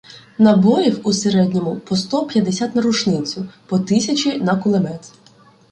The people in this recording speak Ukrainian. Набоїв у середньому по сто п'ятдесят на рушницю, по тисячі на кулемет.